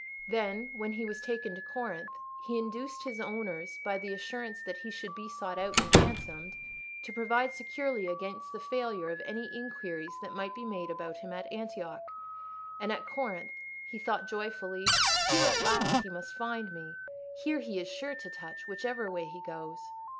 Then, when he was taken to Corinth, he induced his owners, by the assurance that he should be sought out and ransomed, to provide securely against the failure of any inquiries that might be made about him at Antioch; and at Corinth he thought joyfully, "Here, at last, he must find me. Here he is sure to touch, whichever way he goes."